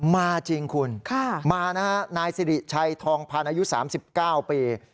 มาจริงคุณมานะฮะนายสิริชัยทองพันธ์อายุ๓๙ปี